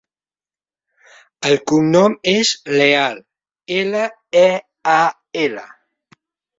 El cognom és Leal: ela, e, a, ela.